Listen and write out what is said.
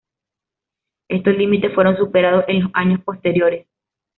Estos límites fueron superados en los años posteriores.